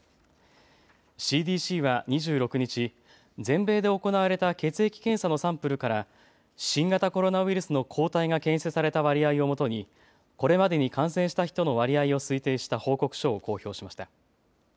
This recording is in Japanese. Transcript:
ＣＤＣは２６日、全米で行われた血液検査のサンプルから新型コロナウイルスの抗体が検出された割合をもとにこれまでに感染した人の割合を推定した報告書を公表しました。